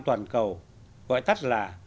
toàn cầu gọi tắt là